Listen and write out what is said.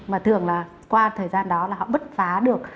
mà thường là qua thời gian đó là họ bứt phá được